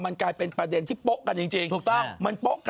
มันกลายเป็นประเด็นที่โป๊ะกันจริง